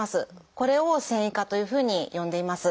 これを「線維化」というふうに呼んでいます。